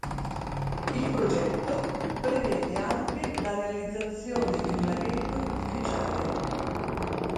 Il progetto prevede anche la realizzazione di un laghetto artificiale.